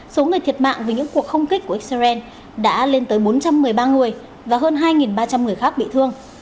số người thiệt mạng vì những cuộc không kích của israel đã lên tới bốn trăm một mươi ba người và hơn hai ba trăm linh người khác bị thương